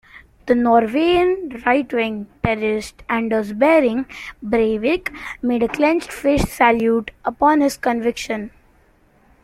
The Norwegian right-wing terrorist Anders Behring Breivik made a clenched-fist salute upon his conviction.